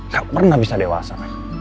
gak pernah bisa dewasa